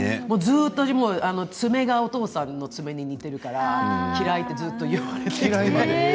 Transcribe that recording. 自分も爪がお父さんの爪に似ているから嫌いってずっと言われていて。